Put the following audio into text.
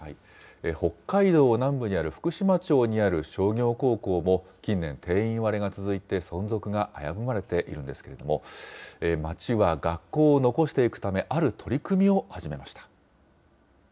北海道南部にある福島町にある商業高校も近年、定員割れが続いて、存続が危ぶまれているんですけれども、町は学校を残していくため、ある取り組みを始めました。